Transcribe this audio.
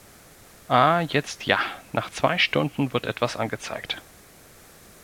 Ah jetzt ja, nach zwei Stunden wird etwas angezeigt.